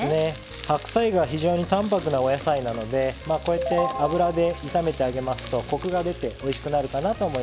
白菜が非常に淡泊なお野菜なのでこうやって油で炒めてあげますとコクが出ておいしくなるかなと思います。